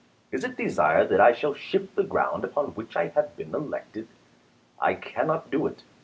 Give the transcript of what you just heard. Is it desired that I shall shift the ground upon which I have been elected? I cannot do it.